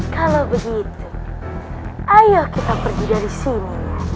kalau begitu ayo kita pergi dari sini